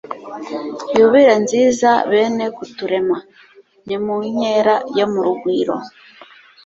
yubire nziza bene kuturema.ni mu nkera yo mu rugwiro